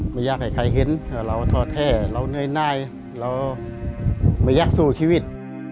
ไม่อยากให้ใครเห็นว่าเราท้อแท้เราเหนื่อยเราไม่อยากสู้ชีวิต